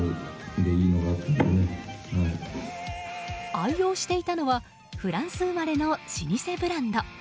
愛用していたのはフランス生まれの老舗ブランド。